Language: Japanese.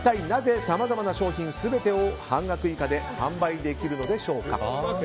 一体なぜ、さまざまな商品全てを半額以下で販売できるのでしょうか。